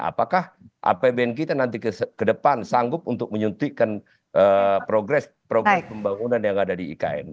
apakah apbn kita nanti ke depan sanggup untuk menyuntikkan progres pembangunan yang ada di ikn